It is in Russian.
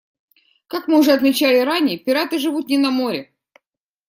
Как мы уже отмечали ранее, пираты живут не на море.